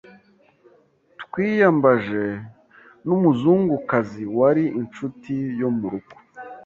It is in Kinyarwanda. twiyambaje n’umuzungukazi wari inshuti yo mu rugo